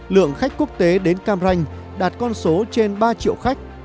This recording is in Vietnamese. lượng khách quốc tế đến cam ranh đạt con số trên ba triệu khách